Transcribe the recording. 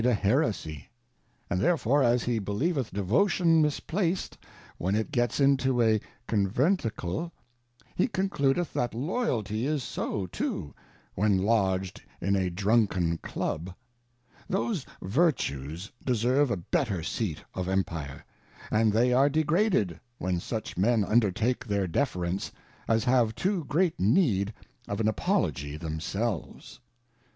a Heresy; and therefore as he believeth Devotion misplaced when it gets into a Conventicle, he con cludeth that Loyalty is so too, when lodg'd in a Drunken Club ; thoseJVertues deserve a better Seat of Empire, and they are degraded, when such Men undertake their defence, as have too great need of an Apology themselves.